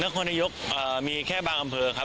คนนายกมีแค่บางอำเภอครับ